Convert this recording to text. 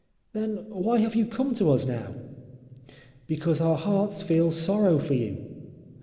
"Then why have you come to us now?" "Because our hearts feel sorrow for you."